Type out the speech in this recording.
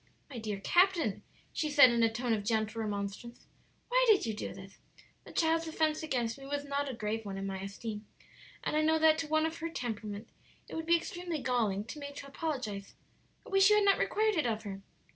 "My dear captain," she said, in a tone of gentle remonstrance, "why did you do this? The child's offence against me was not a grave one in my esteem, and I know that to one of her temperament it would be extremely galling to be made to apologize. I wish you had not required it of her."